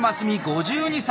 ５２歳。